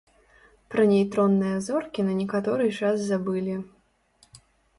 Пра нейтронныя зоркі на некаторы час забылі.